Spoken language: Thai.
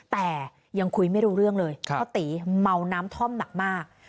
แต่ยังคุยไม่รู้เรื่องเลยเพราะตีเมาน้ำท่อมหนักมาก